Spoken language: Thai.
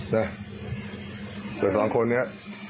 แต่สองคนนี้